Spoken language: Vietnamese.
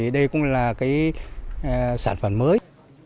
đây cũng là sản phẩm mới